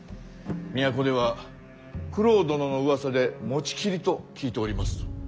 都では九郎殿のうわさで持ちきりと聞いておりますぞ。